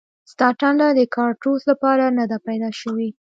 ستا ټنډه د کاړتوس لپاره نه ده پیدا شوې